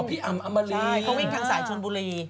เค้าวิ่งทางสายชูนบุรี